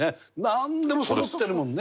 なんでもそろってるもんね。